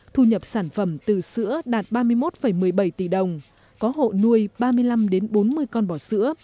thu nhập sản phẩm từ sữa đạt ba mươi một một mươi bảy tỷ đồng có hộ nuôi ba mươi năm bốn mươi con bò sữa